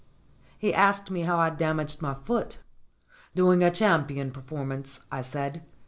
He asked me how I'd damaged my foot. "Doing a champion performance," I said.